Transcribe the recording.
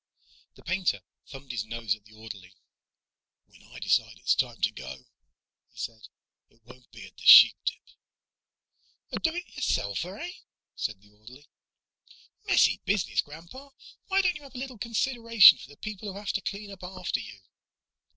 The painter thumbed his nose at the orderly. "When I decide it's time to go," he said, "it won't be at the Sheepdip." "A do it yourselfer, eh?" said the orderly. "Messy business, Grandpa. Why don't you have a little consideration for the people who have to clean up after you?"